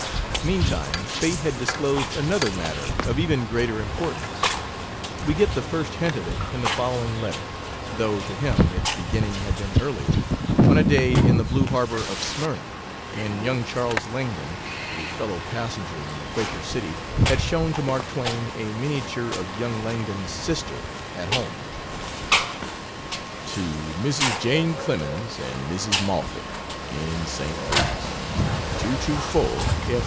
Meantime, fate had disclosed another matter of even greater importance; we get the first hint of it in the following letter, though to him its beginning had been earlier on a day in the blue harbor of Smyrna, when young Charles Langdon, a fellow passenger on the Quaker City, had shown to Mark Twain a miniature of young Langdon's sister at home: To Mrs. Jane Clemens and Mrs. Moffett, in St. Louis: 224 F.